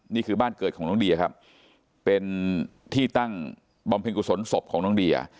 นี่คือบ้านเกิดของน้องเดียครับเป็นที่ตั้งบำเพ็ญกุศลศพของน้องเดีย